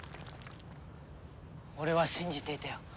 俺は信じていたよ